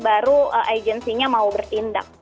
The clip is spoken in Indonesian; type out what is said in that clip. baru agency nya mau bertindak